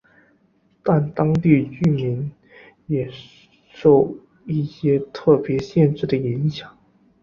但当地居民也受一些特别限制的影响。